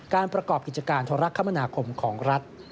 ประกอบกิจการโทรคมนาคมของรัฐ